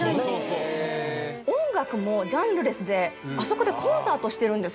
音楽もジャンルレスであそこでコンサートしてるんですよ。